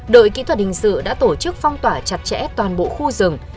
đội kỹ thuật hình sự đã tổ chức phong tỏa chặt chẽ toàn bộ khu rừng